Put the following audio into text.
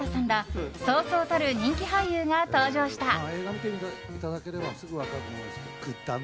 らそうそうたる人気俳優が登場した。